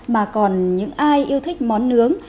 mà còn những ai yêu thích món nướng